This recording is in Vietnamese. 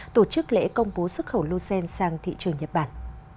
tổ chức lễ công bố xuất khẩu lô sen sang thị trường nhật bản